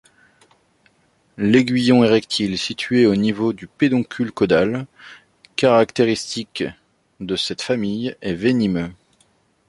L'aiguillon érectile situé au niveau du pédoncule caudal, caractéristique de cette famille, est venimeux.